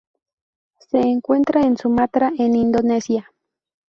Se encuentra en Sumatra en Indonesia.